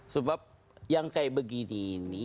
sebab yang kayak begini ini